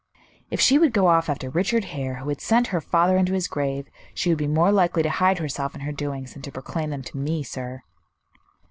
"If she would go off after Richard Hare, who had sent her father into his grave, she would be more likely to hide herself and her doings than to proclaim them to me, sir."